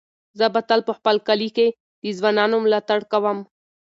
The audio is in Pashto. زه به تل په خپل کلي کې د ځوانانو ملاتړ کوم.